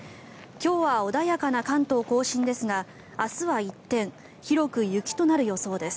今日は穏やかな関東・甲信ですが明日は一転広く雪となる予想です。